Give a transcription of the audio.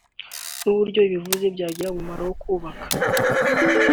n’uburyo ibivuzwe byagira umumaro wo kubaka